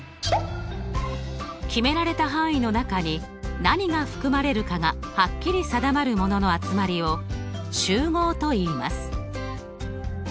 決められた範囲の中に何が含まれるかがはっきり定まるものの集まりを集合といいます。